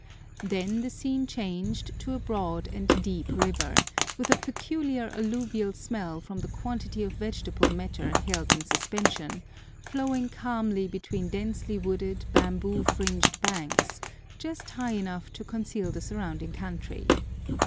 Then the scene changed to a broad and deep river, with a peculiar alluvial smell from the quantity of vegetable matter held in suspension, flowing calmly between densely wooded, bamboo fringed banks, just high enough to conceal the surrounding country.